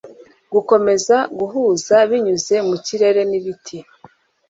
gukomeza guhuzabinyuze mu kirere nibiti